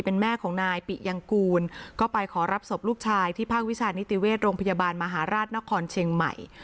เป็นแม่ของนายปิยังกูลก็ไปขอรับศพลูกชายที่ภาควิชานิติเวชโรงพยาบาลมหาราชนครเชียงใหม่